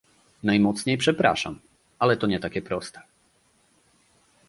Najmocniej przepraszam, ale to nie takie proste